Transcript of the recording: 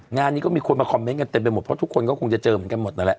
งานนี้ก็มีคนมาคอมเมนต์กันเต็มไปหมดเพราะทุกคนก็คงจะเจอเหมือนกันหมดนั่นแหละ